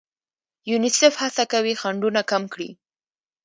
یونیسف هڅه کوي خنډونه کم کړي.